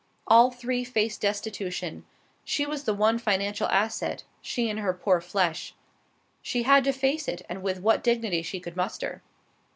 All three faced destitution; she was the one financial asset, she and her poor flesh. She had to face it, and with what dignity she could muster.